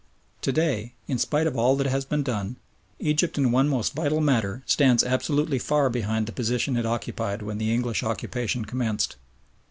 To day, in spite of all that has been done, Egypt in one most vital matter stands absolutely far behind the position it occupied when the English occupation commenced.